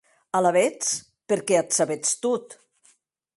Alavetz, per qué ac sabetz tot?